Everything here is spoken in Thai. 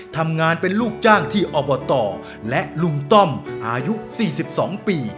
ทำงานเป็นลูกจ้างที่อบตและลุงต้อมอายุ๔๒ปี